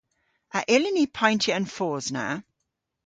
A yllyn ni payntya an fos na?